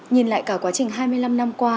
nhìn lại cả quá trình hai mươi năm năm qua